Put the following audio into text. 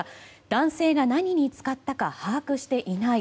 男性が何に使ったか把握していない。